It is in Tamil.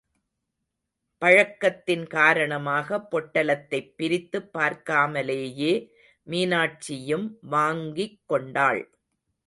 பழக்கத்தின் காரணமாக, பொட்டலத்தைப் பிரித்துப் பார்க்காமலேயே மீனாட்சியும் வாங்கிக் கொண்டாள்.